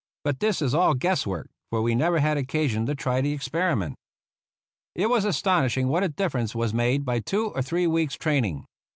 But this is all guesswork, for we never had occa sion to try the experiment. It was astonishing what a difference was made by two or three weeks' training.